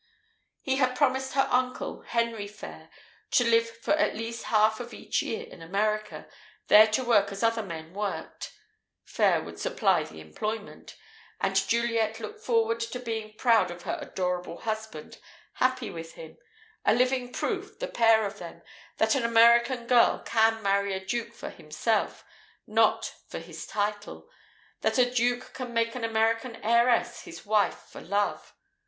He had promised her uncle, Henry Phayre, to live for at least half of each year in America, there to work as other men worked (Phayre would supply the employment), and Juliet had looked forward to being proud of her adorable husband, happy with him; a living proof the pair of them that an American girl can marry a duke for himself, not for his title; that a duke can make an American heiress his wife for love.